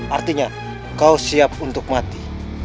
artinya kau siap untuk mati